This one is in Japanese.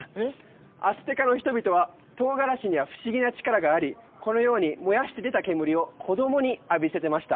アステカの人々はトウガラシには不思議な力がありこのように燃やして出た煙を子供に浴びせてました